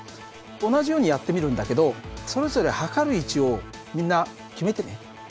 同じようにやってみるんだけどそれぞれ計る位置をみんな決めてね。